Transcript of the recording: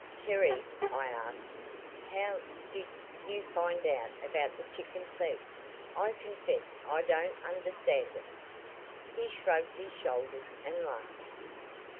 "Terry," I asked, "how did you find out about the chicken thief? I confess I don't understand it yet." He shrugged his shoulders and laughed.